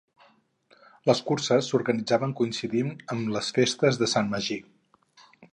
Les curses s'organitzaven coincidint amb les Festes de Sant Magí.